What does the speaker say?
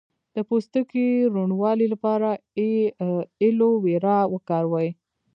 د پوستکي روڼوالي لپاره ایلوویرا وکاروئ